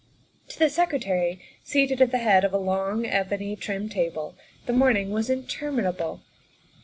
To the Secretary, seated at the head of the long, ebony trimmed table, the morning was interminable.